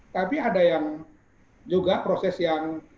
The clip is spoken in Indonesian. tapi ada yang juga proses yang